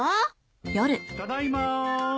だだいま。